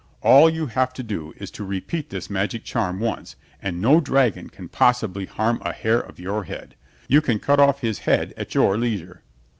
All you have to do is to repeat this magic charm once and no dragon can possibly harm a hair of your head. You can cut off his head at your leisure."